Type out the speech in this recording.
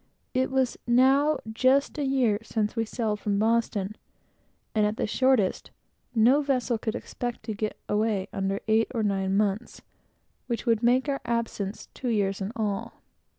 It was now just a year since we sailed from Boston, and at the shortest, no vessel could expect to get away under eight or nine months, which would make our absence two years in all.